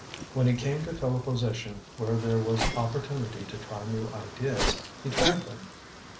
When he came to fill a position where there was opportunity to try new ideas, he tried them.